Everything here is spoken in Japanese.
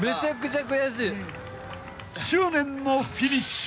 ［執念のフィニッシュ！